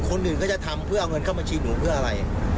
คนอื่นก็จะทำเพื่อเอาเงินเข้าบัญชีหนูเพื่ออะไร